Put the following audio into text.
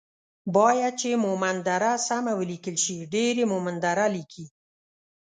بايد چې مومند دره سمه وليکل شي ،ډير يي مومندره ليکي